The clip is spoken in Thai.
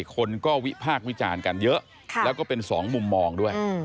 คนก็วิพากษ์วิจารณ์กันเยอะแล้วก็เป็นสองมุมมองด้วย